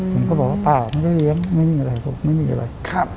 หนูก็บอกว่าเปล่าไม่ได้เลี้ยงไม่มีอะไร